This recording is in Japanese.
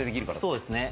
そうですね。